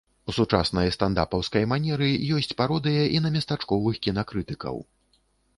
У сучаснай стандапаўскай манеры ёсць пародыя і на местачковых кінакрытыкаў.